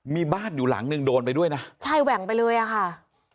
มีบ้านอยู่หลังนึงโดนไปด้วยนะใช่แหว่งไปเลยอ่ะค่ะ